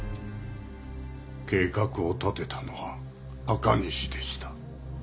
計画を立てたのは赤西でした。